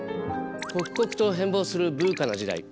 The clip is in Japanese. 刻々と変貌するＶＵＣＡな時代。